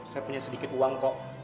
saya punya sedikit uang kok